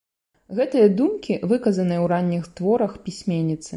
Гэтыя думкі выказаныя ў ранніх творах пісьменніцы.